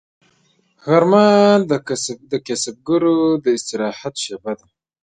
غرمه د کسبګرو د استراحت شیبه ده